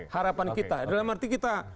harapan kita dalam arti kita